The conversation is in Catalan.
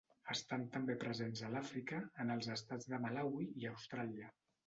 Estan també presents a l'Àfrica, en els estats de Malawi i Austràlia.